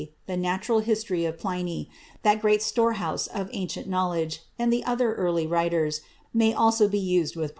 The Natural History of Pliny, that great storehouse of ancient knowledge, and other early writers, may also be used with profit.